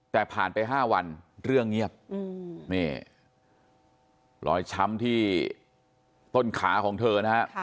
แต่ผ่านไป๕วันเรื่องเงียบนี่รอยช้ำที่ต้นขาของเธอนะฮะ